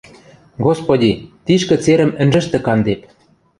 – Господи, тишкӹ церӹм ӹнжӹштӹ кандеп...